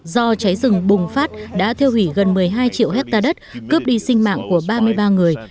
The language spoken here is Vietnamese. do cháy rừng bùng phát đã thiêu hủy gần một mươi hai triệu hectare đất cướp đi sinh mạng của ba mươi ba người